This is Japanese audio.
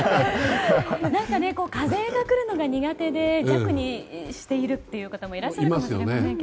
風が来るのが苦手で弱にしているという方もいらっしゃると思いますけど。